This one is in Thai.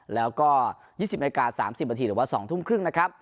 แล้วก็๒๐นาที๓๐นาทีหรือว่า๒ทุ่มครึ่งนะครับ